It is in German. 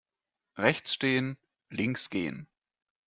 Rechts stehen, links gehen.